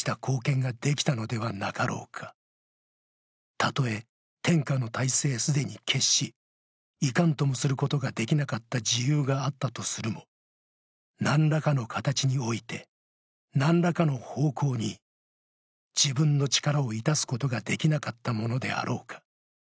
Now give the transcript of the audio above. たとえ天下の大勢すでに決し、いかんともすることができなかった事由があったとするも何らかの形において何らかの方向に自分の力をいたすことができなかったものであろうか。